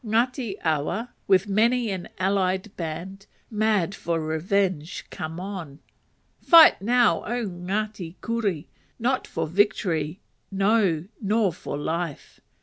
Ngati Awa, with many an allied band, mad for revenge, come on. Fight now, O Ngati Kuri! not for victory, no, nor for life.